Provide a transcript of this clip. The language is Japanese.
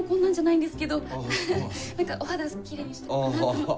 何かお肌きれいにしておこうかなと思って。